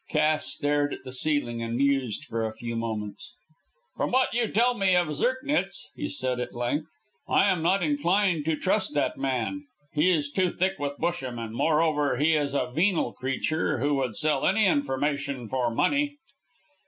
Cass stared at the ceiling and mused for a few moments. "From what you tell me of Zirknitz," he said at length, "I am not inclined to trust that man. He is too thick with Busham, and, moreover, he is a venal creature who would sell any information for money."